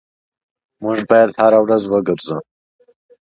Muirhead Bone was born in Glasgow.